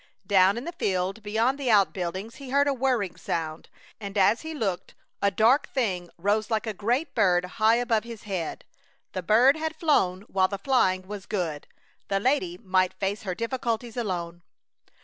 Down in the field, beyond the outbuildings, he heard a whirring sound, and as he looked a dark thing rose like a great bird high above his head. The bird had flown while the flying was good. The lady might face her difficulties alone!